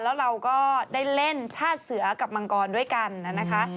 แล้วเราก็ได้เล่นชาติเสือกับมังกรด้วยกันนะคะ